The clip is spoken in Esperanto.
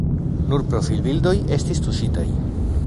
Nur profilbildoj estis tuŝitaj.